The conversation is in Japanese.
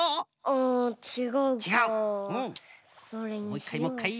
もういっかいもういっかい。